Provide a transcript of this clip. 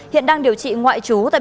hiện đang điều trị ngoại trú tại